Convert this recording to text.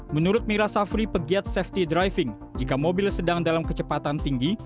menurut mira safri pegiat safety driving jika mobil sedang dalam kecepatan tinggi